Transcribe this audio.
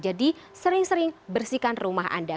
jadi sering sering bersihkan rumah anda